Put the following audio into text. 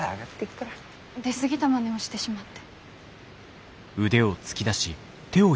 出過ぎたまねをしてしまって。